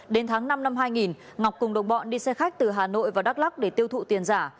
đến tháng năm năm hai nghìn ngọc cùng đồng bọn đi xe khách từ hà nội vào đắk lắc để tiêu thụ tiền giả